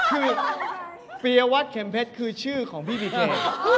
คือปียวัตรเข็มเพชรคือชื่อของพี่บีเท่